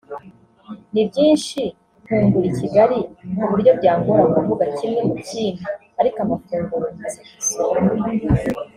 “Ni byinshi nkumbura I Kigali ku buryo byangora kuvuga kimwe ku kindi ariko amafunguro aza ku isonga”